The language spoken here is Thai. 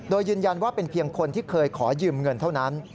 โดยยืนยันว่าเป็นเพียงคนที่เคยขอยืมเงินเท่านั้น